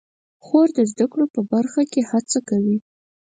خور د زده کړو په برخه کې هڅه کوي.